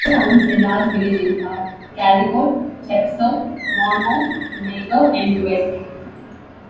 Other towns and large villages are Caldicot, Chepstow, Monmouth, Magor and Usk.